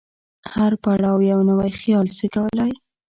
هر پړاو یو نوی خیال زېږولی.